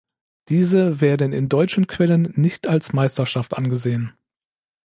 Diese werden in deutschen Quellen "nicht" als Meisterschaft angesehen.